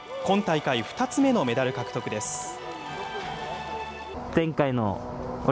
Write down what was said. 今大会２つ目のメダル獲得です。